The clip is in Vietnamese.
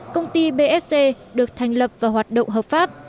công ty bsc được thành lập và hoạt động hợp pháp